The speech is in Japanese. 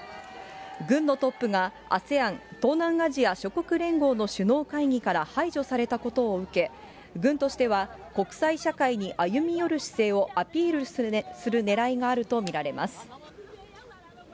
軍のトップがＡＳＥＡＮ・東南アジア諸国連合の首脳会議から排除されたことを受け、軍としては国際社会に歩み寄る姿勢をアピールするねらいがあると見られます。